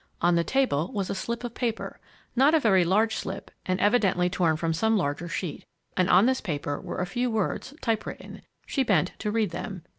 On the table was a slip of paper not a very large slip, and evidently torn from some larger sheet. And on this paper were a few words, type written. She bent to read them.